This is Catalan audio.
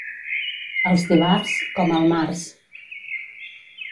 Els d'Ivars, com el març.